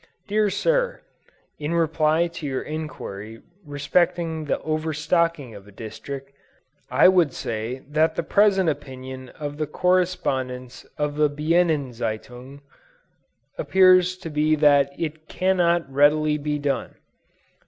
DEAR SIR: In reply to your enquiry respecting the overstocking of a district, I would say that the present opinion of the correspondents of the Bienenzeitung, appears to be that it cannot readily be done.